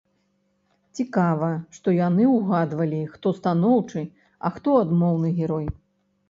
Цікава, што яны ўгадвалі хто станоўчы, а хто адмоўны герой.